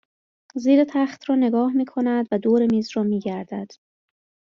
زیر تخت را نگاه میکند و دور میز را میگردد